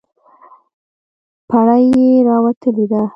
بړۍ یې راوتلې ده.